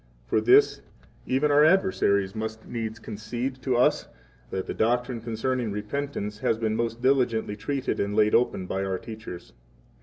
For this even our adversaries must needs concede 6 to us that the doctrine concerning repentance has been most diligently treated and laid open by our teachers.